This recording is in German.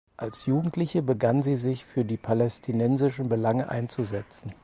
Als Jugendliche begann sie sich für palästinensische Belange einzusetzen.